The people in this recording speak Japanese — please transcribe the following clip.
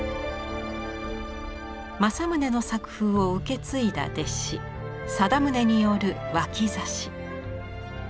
正宗の作風を受け継いだ弟子貞宗による脇差。